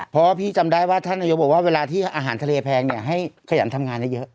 เพราะว่าพี่จำได้ว่าท่านนายกบอกว่าเวลาที่อาหารทะเลแพงเนี่ยให้ขยันทำงานได้เยอะ